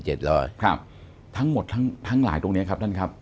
ครับทั้งหมดทั้งหลายตรงนี้ครับท่านครับ